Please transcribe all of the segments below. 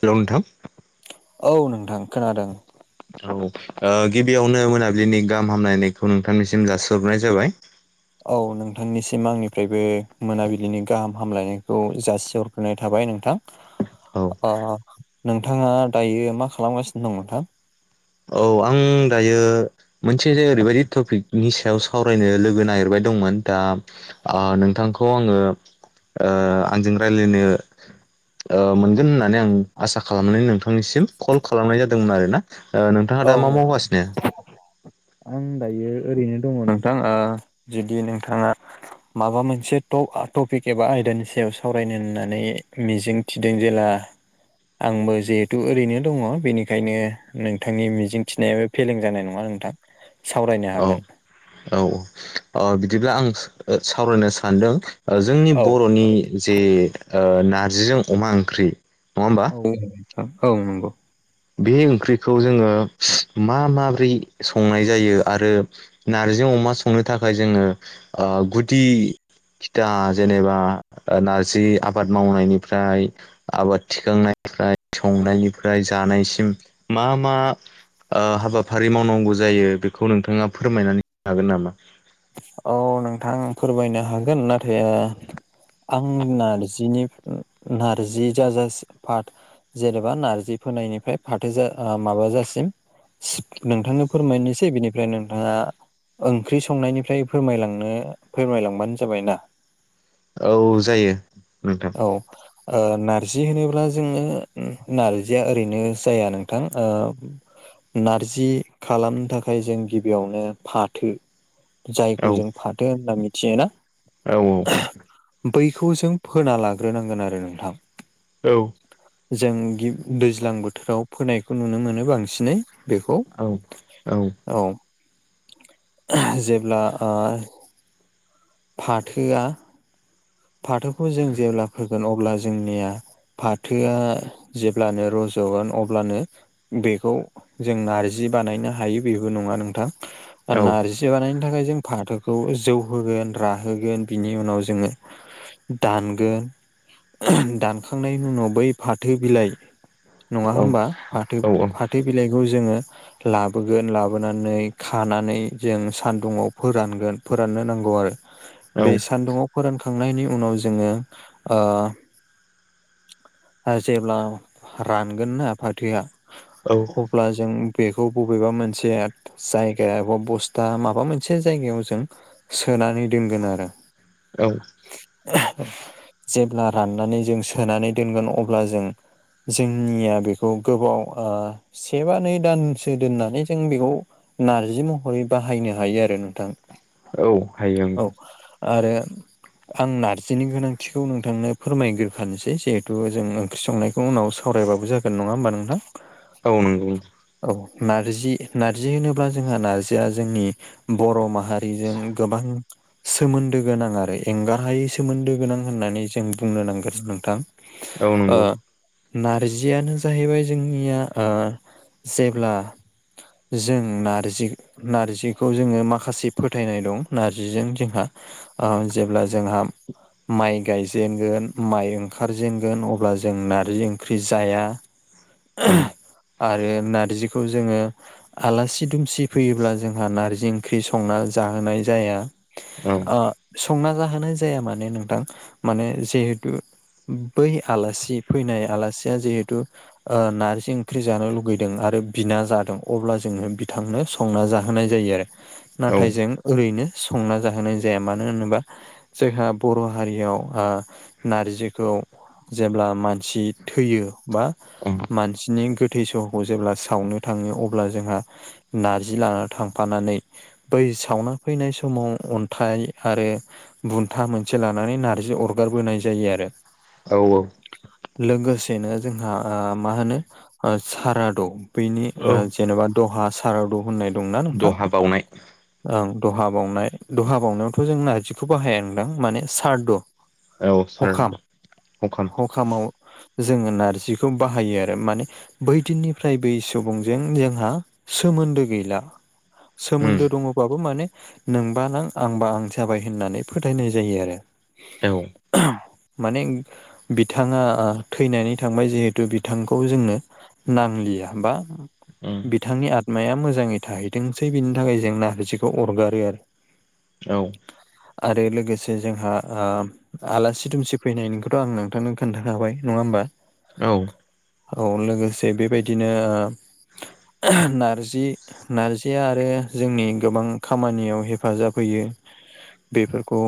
Hello नोंथां औ नोंथां खोनादों। औ ओ गिबियावनो मोनाबिलिनि गाहाम हामलायनायखौ नोंथांनिसिम जासिहरनाय जाबाय। औ नोंथांनिसिम आंनिफ्रायबो मोनाबिलिनि गाहाम हामलायनायखौ जासिहरग्रोनाय थाबाय नोंथां औ ओ नोंथाङा दायो मा खालामगासिनो दं नोंथां औ आं दायो मोनसे जे ओरैबायादि टपिकनि सायाव सावरायनो लोगो नागिरबाय दंमोन दा ओ नोंथांखौ आङो ओ आंजों राय्लायनो ओ मोनगोन होननानै आं आसा खालामनानै नोंथांनिसिम कल खालामनाय जादोंमोन आरोना ओ नोंथाङा औ दा मा मावगासिनो आं दायो ओरैनो दं नोंथा ओ जदि नोंथाङा माबा मोनसे ट-टपिक एबा आयदानि सायाव सावरायनो होननानै मिजिं थिदों जेला आंबो जिहेथु ओरैनो दङ बेनिखायनो नों नोंथांनि मिजिं थिनायाबो फेलें जानाय नङा नोंथां सावरायनो औ हागोन। औ ओ बिदिब्ला आं सावरायनो सानदों ओ जोंनि औ बर'नि जे ओ नारजिजों अमा ओंख्रि नङा होमबा औ औ नंगौ बे ओंख्रिखौ जोङो मा माब्रै संनाय जायो आरो नार्जि अमा संनो थाखाय जोङो ओ गुदि खिथा जेनेबा नारजि आबाद मावनायनिफ्राय आबाद थिखांनायनिफ्राय संनायनिफ्राय जानायसिम मा मा ओ हाबाफारि मावनांगौ जायो बेखौ नोंथाङा फोरमायनानै हागोन नामा? औ नोंथां फोरमायनो हागोन नाथाय ओ आं नारजिनि नारजि जाजासे पाट जेनेबा नारजि फोनायनिफ्राय फाथो ओ माबाजासिम नोंथांनो फोरमायनोसै बिनिफ्राय नोंथाङा ओंख्रि संनायनि फ्राय फोरमायलांनो फोरमायलांबानो जाबाय ना? औ जायो उम औ ओ नारजि होनोब्ला जोङो नारजिया ओरैनो जाया नोंथां ओ नारजि खालामनो थाखाय जों गिबियावनो फाथो जायखौ जों फाथो होनना मिथियो ना। औ-औ। बैखौ जों फोना लाग्रोनांगोन आरो नोंथां। औ। जों गि दैज्लां बोथोराव फोनायखौ नुनो मोनो बांसिनै। बेखौ औ जेब्ला ओ फाथोआ फाथोखौ जों जेब्ला फोगोन अब्ला जोंनिया फाथोआ जेब्लानो रज'गोन अब्लानो बेखौ जों नारजि बानायनो हायो बेबो नङा नोंथां। औ नारजि बानायनो थाखाय जों फाथोखौ जौहोगोन राहोगोन बिनि उनाव जोङो दानगोन दानखांनायनि उनाव बै फाथो बिलाइ नङा होमबा फाथो-फाथो बिलाइखौ जोङो लाबोगोन लाबोनानै खानानै जों सानदुङाव फोरानगोन फोराननो नांगौ आरो। बे औ सान्दुङाव फोरानखांनायनि उनाव जोङो ओ ओ जेब्ला रानगोन ना फाथोआ औ अब्ला जों बेखौ बबेबा मोनसे जायगा एबा बस्था माबा मोनसे जायगायाव जों सोनानै दोनगोन आरो। औ। जेब्ला राननानै जों सोनानै दोनगोन अब्ला जों जोंनिया बेखौ गोबाव ओ से बा नै दान सो दोननानै जों बेखौ नारजि महरै बाहायनो हायो आरो नोंथां। औ हायो ओं। औ आरो आं नारजिनि गोनांथिखौ नोंथांनो फोरमायग्रो होनोसै जिहेथु जों ओंख्रि संनायखौ उनाव सावरायबाबो जागोन नङा होमबा नोंथां। औ नंगौ नों औ नारजि - नारजि होनोब्ला जोंहा नारजिया जोंनि बर' माहारिजों गोबां सोमोन्दो गोनां आरो एंगार हायै सोमोन्दो गोनां होननानै जों बुंनो नांगोन। नोंथां औ ओ नंगौ नारजियानो जाहैबाय जोंनिया ओ जेब्ला जों नारजि नारजिखौ जोङो माखासे फोथायनाय दं। नारजिजों जोंहा ओ जेब्ला जोंहा माइ गायजेनगोन माइ ओंखारजेनगोन अब्ला जों नार्जि ओंख्रि जाया। औ। आरो नारजिखौ जोङो आलासि दुमसि फैयोब्ला जोंहा नारजि ओंख्रि संना जाहोनाय जाया। अ संना जाहोनाय जाया माने नोंथां माने जिहेथ तु बै आलासि फैनाय आलासिया जिहेथु ओ नार्जि ओंख्रि जानो लुगैदों आरो बिना जादों अब्ला जोङो बिथांनो सं संना जाहोनाय जायो आरो औ नाथाय जों ओरैनो संना जाहोनाय जाया मानो होनोबा जोंहा बर' हारियाव आ नारजिखौ जेब्ला मानसि थैयो बा औ मानसिनि गोद थैस'हखौ जेब्ला सावनो थाङो अब्ला जोंहा नारजि लाना थांफानानै बै सावना फैनाय समाव अन्थाइ आरो बुन्था मोनसे लानानै नारजि अरगारबोनाय जायो आरो औ औ लोगोसेनो जोंहा ओ मा होनो सारादं बैनि औ जि जेन'बा दहा साराद' होननाय दंना नोंथां दहा बावनाय ओं दहा बावनाय दहा बावनायावथ' जों नार्जिखौ बाहाय नांदों माने सारद' औ सार हखाम हखाम हखामाव जोङो नारजिखौ बाहायो आरो माने बैदिननिफ्राय बै सुबुंजों जोंहा सोमोन्दो गैला उम सोमोन्दो दङबाबो माने नोंबा नां आंबा आं जाबाय होननानै फोथायनाय जायो आरो औ माने बिथाङा ओ थैनानै थांबाय जिहेथु बिथांखौ जोंनो नांलिया बा [unintelligible] बिथांनि आत्माया मोजाङै थाहैथोंसै बिनि थाखाय जों नारजिखौ अरगारो आरो औ आरो लोगोसे जोंहा ओ आलासि दुमसि फैनायनिखौथ' आं नोंथांनो खोन्थाखाबाय नङा होमबा औ औ लोगोसे बेबायदिनो ओ नारजि नारजिया आरो जोंनि गोबां खामानियाव हेफाजाब होयो बेफोरखौ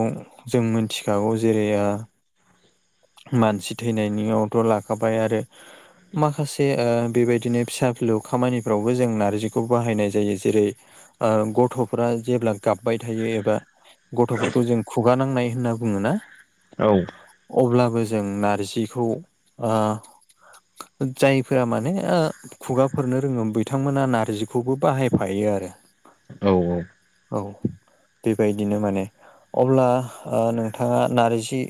जों मिथिखागौ जेरै ओ मानसि थैनायनियावथ' लाखाबाय आरो माखासे ओ बेबायदिनो फिसा लु खामानिफ्रावबो जों नारजिखौ बाहायनाय जायो जेरै ओ गथ'फोरा जेब्ला गाबबाय थायो एबा गथ'फोरखौ जों खुगा नांनाय होनना बुङोना औ अब्लाबो जों नारजिखौ ओ जायफोरा माने ओ खुगाफोरनो रोङो बिथांमोना नारजिखौबो बाहायफायो आरो औ औ औ बेबायदिनो माने अब्ला ओ नोंथाङा नारजि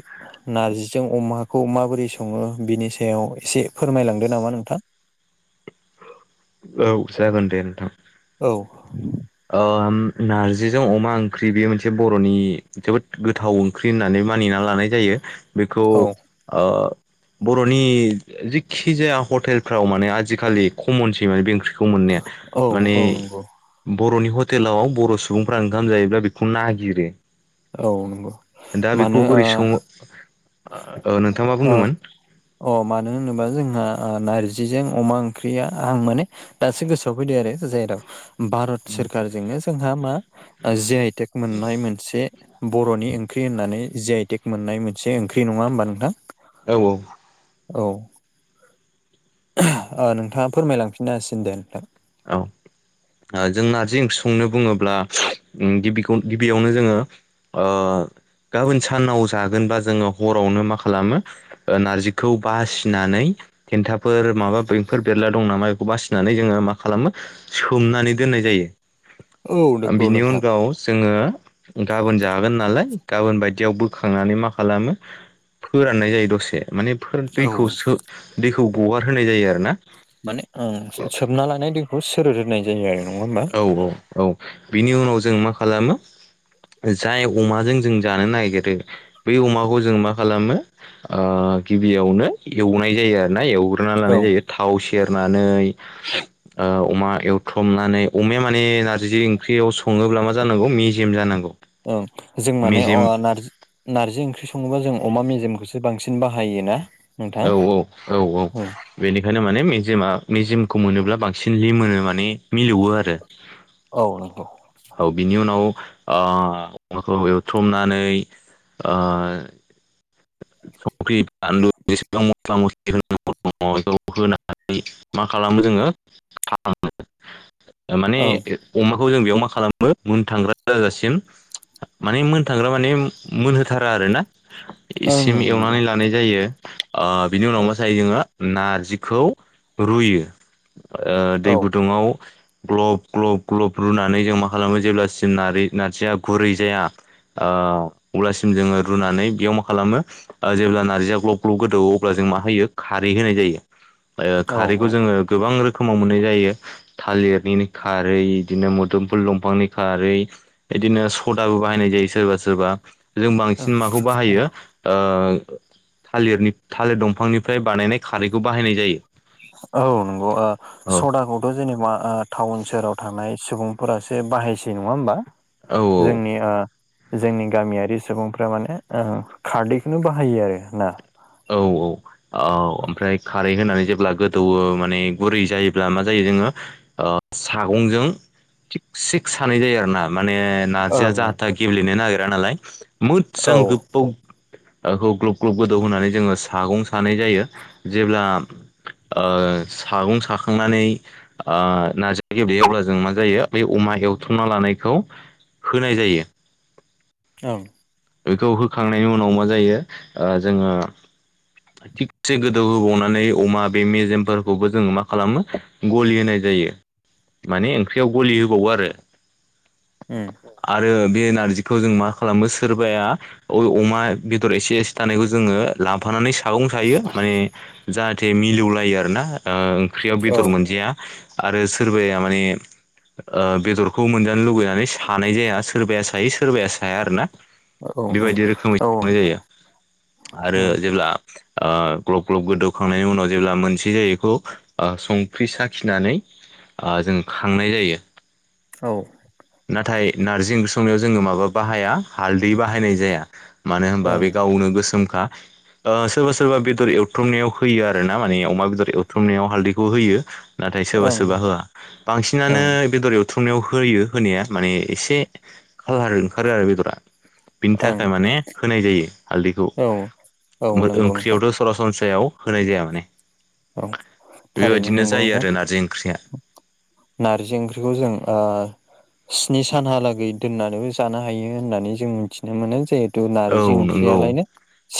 नारजिजों अमाखौ माबोरै सङो बिनि सायाव एसे फोरमायलांदो नामा नोंथां औ जागोन दे नोंथां औ ओ नारजिजों अमा ओंख्रि बे मोनसे बर'नि जोबोद गोथाव ओं ख्रि होननानै मानिना लानाय जायो बेखौ औ ओ बर'नि जेखि जाया हटेलफ्राव माने आजिखालि कमनसै माने बे ओंख्रि बेखौ मोननाया औ माने औ नंगौ बर'नि हटेलाव बर' सुबुंफ्रा ओंखाम जायोब्ला बेखौ नागिरो औ नंगौ दा मानो बेखौ ओ बोरै सङो ओ नोंथाङा मा ओ बुंदोंमोन अ मानो होनोबा जोंहा ओ नारजिजों अमा ओंख्रिया आं माने दासो गोसोआव फैदो आरो जायेराव भारत सोरखारजोंनो जोंहा मा जे आइटेक मोननाय मोनसे बर'नि ओंख्रि होननानै जिआइटेक मोननाय मोनसे ओंख्रि नङा होमबा नोंथां औ औ औ ओ नोंथाङा फोरमायलांफिननो हासिनो दे नोंथां औ जों नार्जि ओंख्रि संनो बुङोब्ला गिबिखौ गिबियावनो जोङो ओ गाबोन सानाव जागोनबा जोङो हरावनो मा खालामो ओ नारजिखौ बासिनानै देन्थाफोर माबा बेंफोर बेरला दं नामा बेखौ बासिनानै जोङो मा खालामो सोमनानै दोननाय जायो औ ओ नंगौ बिनि नोंथां उनगाव जोङो गाबोन जागोन नालाय गाबोन बायदियाव बोखांनानै मा खालामो फोराननाय जायो दसे माने फोर औ दैखौ सो दैखौ गगारहोनाय जायो आरो ना माने ओं सोबना लानाय दैखौ सोरोदहोनाय औ औ औ बिनि उनाव जों मा खालामो जाय अमाजों जों जानो नागिरो बै अमाखौ जों मा खालामो ओ गिबियावनो एवनाय जायो आरोना एव ग्रोना लानाय औ जायो थाव सेरनानै ओ अमा एव थ्रमनानै अमाया माने नारजि ओंख्रियाव सङोब्ला मा जानांगौ मेजेम जानांगौ औ जों माने मेजेम अमा नारजि नारजि ओंख्रि सङोबा जों अमा मेजेमखौसो बांसिन बाहायो ना औ औ औ औ बेनिखायनो माने मेजिमा मेजिमखौ मोनोब्ला बांसिन लिमोनो माने मिलौवो आरो। औ नोंगौ औ बिनि उनाव ओ अमाखौ एवथ्रमनानै ओ संख्रि बानलु बेसेबां मस्ला मस्लि [unintelligible] नांगौ [unintelligible] होनानै मा खालामो जोङो [unintelligible] माने ओं अमाखौ जों बेयाव मा खालामो उन थांग्रा जाजासिम माने मोनथांग्रा माने मोनहोथारा आरो ना ओं इसिम एवनानै नंगौ लानाय जायो ओ बिनि उनाव औ मा जायो जोंआ नारजिखौ रुयो ओ औ दै गुदुङाव ग्लब ग्लब ग्लब रुनानै जों मा खालामो जेब्लासिम नारि नारजिया गुरै जाया ओ अब्लासिम जोङो रुनानै बेयाव मा खालामो जेब्ला नारजिया ग्लब ग्लब गोदौ अब्ला जों मा होयो खारै होनाय जायो। ओ औ खारैखौ जोङो गोबां रोखोमाव मोननाय जायो। थालिरनि खारै इदिनो मोदोमफुल दंफांनि खारै इदिनो सदाबो बाहायनाय जायो सोरबा सोरबा जों औ बांसिन माखौ बाहायो ओ थालिरनि थालिर दंफांनिफ्राय बानायनाय खारैखौ बाहायनाय जायो औ नंगौ ओ औ सदाखौ [unintelligible] जेनेबा ओ टाउन सोहोराव थानाय सुबुंफोरासो बाहायसै नङा होमबा। औ जोंनि ओ जोंनि गामियारि सुबुंफ्रा माने ओ खारदैखौनो बाहायो आरो ना औ औ औ ओमफ्राय खारै होनानै जेब्ला गोद दौवो माने गुरै जायोब्ला मा जायो जोङो ओ सागंजों थिग सिक्स सानाय जायो आरो ना माने नारजिया ओं जाहाथा गेबेलेनो नागिरा नालाय मोजां ओं औ गोब खौ ओ ग्लब ग्लब गोदौ होनानै जोङो सागं सानाय जायो जेब्ला ओ सागं साखांनानै ओ नार्जि गेब्लेयो अब्ला जों मा जायो बे अमा एवथ्रमना लानायखौ होनाय जायो औ बेखौ होखांनायनि उनाव मा जायो ओ जोङो थिगसे गोदौ होबावनानै अमा बे मेजेमफोरखौबो जोङो मा खालामो गलि होनाय जायो माने ओंख्रियाव गलि होबावो आरो आरो बे नारजिखौ जों मा खालामो सोरबाया [unintelligible] अमा बेदर एसे एसे थानायखौ जोंङो लाफानानै सागं सायो माने जाहाथे मिलौलायो आरोना ओ ओंख्रियाव बेदर मोनजाया आरो सोरबाया माने ओ बेदरखौ मोनजानो लुुबैनानै सानाय जाया सोरबाया सायो सोरबाया साया आरोना उम बेबायदि रोखोमै औ संनाय जायो आरो जेब्ला ओ ग्लब ग्लब गोदौखांनायनि उनाव जेब्ला मोनसे जायो बेखौ ओ संख्रि साखिनानै ओ जों खांनाय जायो औ नाथाय नार्जि ओंख्रि संनायाव जोङो माबा बाहाया हालदै बाहायनाय जाया मानो होनबा ओं बे गावनो गोसोमखा सोरबा सोरबा बेदर एवथ्रमनायाव होयो आरोना माने अमा बेदर एवथ्रमनायाव हालदैखौ होयो नाथाय सोरबा ओं सोरबा होआ बांसिनानो ओं बेदर एवथ्रुमनायाव होयो होनाया माने एसे खालार ओंखारो आरो बेदरा बिनि ओं थाखाय माने होनाय जायो हालदैखौ औ औ मो नंगौ नोंथां ओंख्रियावथ' सरासनस्रायाव होनाय जाया माने औ थारैनो बेबायदिनो नंगौ जायो नोंथां आरो नारजि ओंख्रिया नारजि ओंख्रिखौ जों ओ स्नि सानहालागै दोननानैबो जानो हायो होननानै जों मिथिनो मोनो जे थु औ नारजि नंगौ ओंख्रियालायनो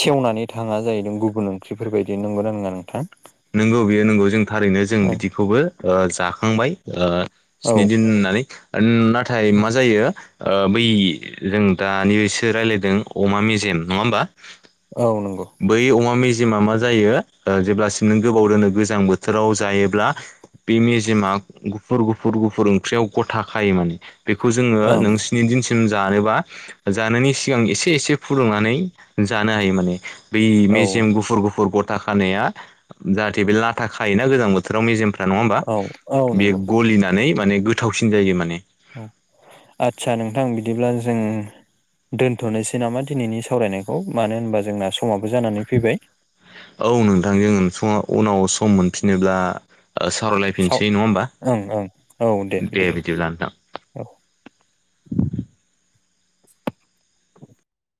सेवनानै थाङा जाहैदों गुबुन ओंख्रिफोरबायदि नंगौना नङा नोंथां नंगौ बेयो नंगौ जों थारैनो जों औ बिदिखौबो ओ जाखांबाय ओ स्नि दिन होननानै ओनाथाय मा जायो ओ बै जों दानिसो रायज्लायदों अमा मेजेम नङा होमबा औ नंगौ बै अमा मेजेमा मा जायो ओ जेब्लासिम नों गोबाव दोनो गोजां बोथोराव जायोब्ला बे मेजेमा गुफुर गुफुर गुफुर ओंख्रियाव गथा खायो माने बेखौ जोङो ओं नोंसि नि दिनसिम जानोबा जानायनि सिगां एसे एसे फुदुंनानै जानो हायो माने बै औ मेजेम गुफुर गुफुर गथा खानाया जाहाथे बे लाथा खायोना गोजां बोथ फोथाराव मेजेमफ्रा नङा होमबा औ औ बेयो नंगौ गलिनानै माने गोथावसिन जायो माने अ आदसा नोंथां बिदिब्ला जों दोनथ'नोसै नामा दिनैनि सावरायनायखौ मानो होनबा जोंना समाबो जानानै फैबाय औ नोंथांजों उनाव सम मोनफिनोब्ला सावरायलाय साव फिनसै नङा होमबा ओं ओं औ दे बिदिब्ला नोंथां औ [inaudible]